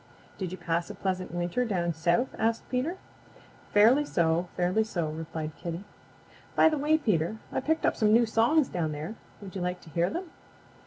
"Did you pass a pleasant winter down South?" asked Peter. "Fairly so. Fairly so," replied Kitty. "By the way, Peter, I picked up some new songs down there. Would you like to hear them?"